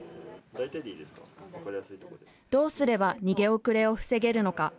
どうすれば、逃げ遅れを防げるのか。